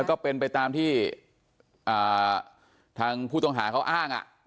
ก็เป็นไปตามที่ทางผู้ต้องหาเขาอ้าง